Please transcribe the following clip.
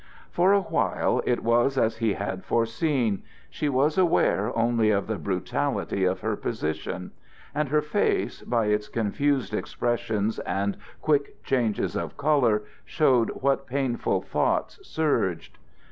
For a while it was as he had foreseen. She was aware only of the brutality of her position; and her face, by its confused expressions and quick changes of color, showed what painful thoughts surged.